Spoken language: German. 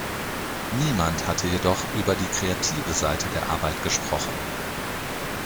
Niemand hatte jedoch über die kreative Seite der Arbeit gesprochen.